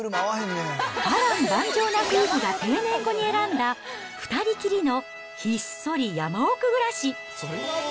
波乱万丈な夫婦が定年後に選んだ、２人きりのひっそり山奥暮らし。